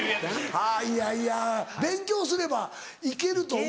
はぁいやいや勉強すれば行けると思う。